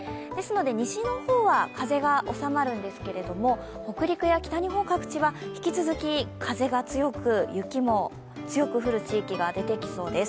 西の方は風が収まるんですけれども、北陸や北日本各地は引き続き風が強く、雪も強く降る地域が出てきそうです。